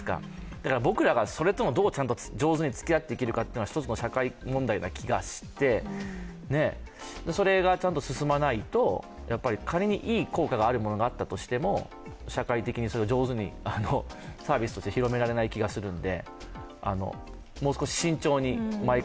だから僕らがそれとどう上手につきあっていけるのかは社会問題な気がしてそれがちゃんと進まないと、仮にいい効果があるものがあったとしても社会的に上手にサービスとして広められない気がします。